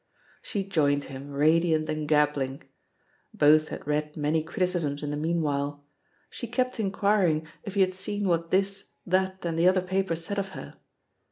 She joined him radiant and gabbling. Both had read many criticisms in the meanwhile. She kept inquiring if he had seen what this, that, and the other paper said of her.